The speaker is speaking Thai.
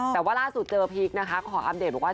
แต่ว่าล่าสุดเจอพีคนะคะขออัปเดตบอกว่า